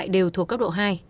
đều thuộc cấp độ hai